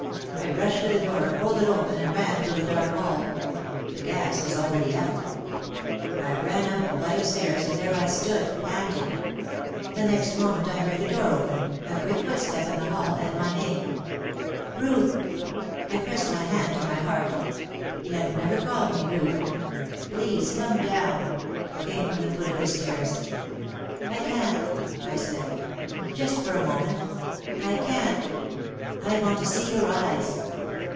I rushed to the door, pulled it open and ran through the dark hall, — the gas was already out. I ran up a flight of stairs and there I stood, panting. The OUT OF THE SHADOW 309 next moment I heard the door open, a quick footstep in the hall and my name : "Ruth!" I pressed my hand to my heart. He had never called me Ruth. "Please come down!" came from the foot of the stairs. "I can't," I said. "Just for a moment." 1 can t. "I want to see your eyes."